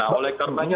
nah oleh karena